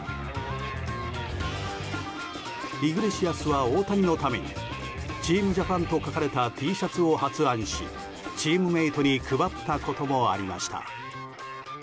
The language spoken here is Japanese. イグレシアスは大谷のために「ＴＥＡＭＪＡＰＡＮ」と書かれたＴシャツを発案しチームメートに配ったこともありました。